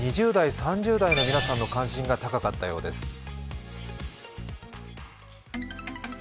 ２０代、３０代の皆さんの関心が高かったようです。